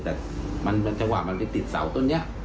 แต่เวลาที่มันไปติดเสาตัวนี้